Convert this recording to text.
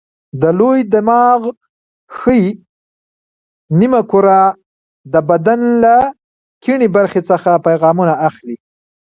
د لوی دماغ ښي نیمه کره د بدن له کیڼې برخې څخه پیغامونه اخلي.